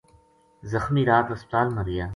زخمی رات ہسپتال ما رہیا